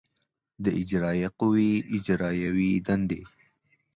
د اجرایه قوې اجرایوې دندې